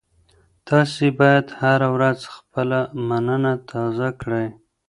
تاسي باید هره ورځ خپله مننه تازه کړئ.